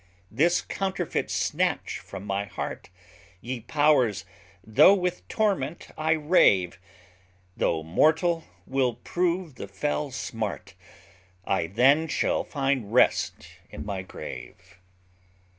This counterfeit snatch from my heart, Ye pow'rs, tho' with torment I rave, Tho' mortal will prove the fell smart: I then shall find rest in my grave.